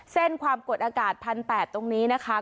เส้นความกดอากาศพันแปดตรงนี้นะคะ